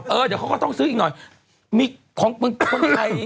เออเดี๋ยวเขาต้องซื้ออีกหน่อย